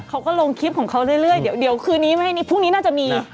เขาก็ลงคลิปของเขาเรื่อยเดี๋ยวคืนนี้พรุ่งนี้น่าจะมี